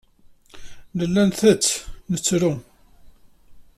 Nella nttett, nettru.